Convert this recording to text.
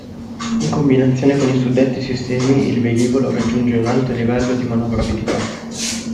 In combinazione con i suddetti sistemi, il velivolo raggiunge un alto livello di manovrabilità.